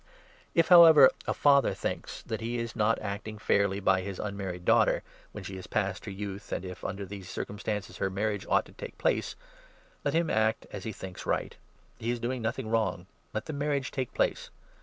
If, however, a father thinks that he is not acting fairly 36 by his unmarried daughter, when she is past her youth, and if under these circumstances her marriage ought to take place, let him act as he thinks right. He is doing nothing wrong — let the marriage take place.